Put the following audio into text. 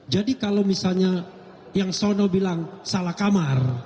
jadi kalau misalnya yang sono bilang salah kamar